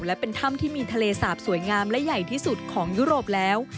และเป็นถ้ำที่มีทะเลสาบสวยงามและใหญ่ที่สุดของยุโรปแล้ว